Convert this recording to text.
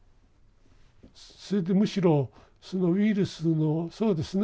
それでむしろそのウイルスのそうですね